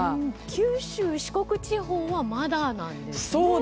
九州・四国地方はまだなんですね。